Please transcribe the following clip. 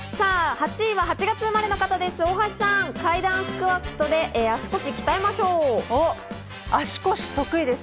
８位は８月生まれの方、大橋さんです。